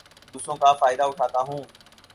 دوسروں کا فائدہ اٹھاتا ہوں